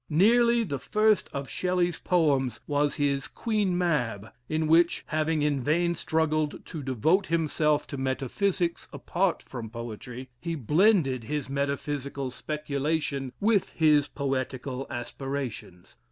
Nearly the first of Shelley's poems was his "Queen Mab," in which (having in vain struggled to devote himself to metaphysics apart from poetry), he blended his metaphysical speculation with his poetical aspirations.